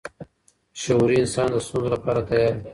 شعوري انسان د ستونزو لپاره تیار وي.